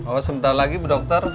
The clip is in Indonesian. oh sebentar lagi dokter